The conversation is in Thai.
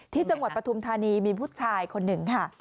ที่จังหวัดประธุมธานีมีผู้ชายคนหนึ่งค่ะ